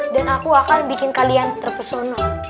dan aku akan bikin kalian terpesona